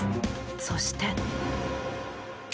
そして。